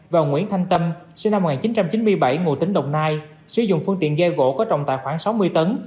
và nguyễn thanh tâm sinh năm một nghìn chín trăm chín mươi bảy ngụ tính đồng nai sử dụng phương tiện ghe gỗ có trọng tài khoảng sáu mươi tấn